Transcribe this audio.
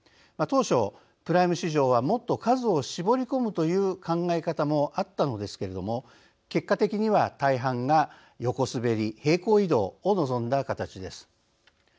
当初、プライム市場はもっと数を絞り込むという考え方もあったのですけれども結果的には、大半が横滑り、平行移動を望んだ形です。